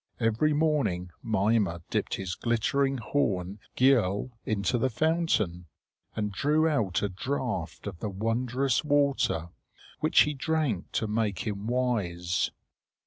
Every morning Mimer dipped his glittering horn Giöll into the fountain and drew out a draught of the wondrous water, which he drank to make him wise.